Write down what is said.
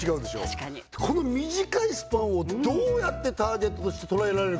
確かにこの短いスパンをどうやってターゲットとして捉えられるか